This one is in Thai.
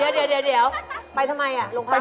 เดี๋ยวไปทำไมโรงพัก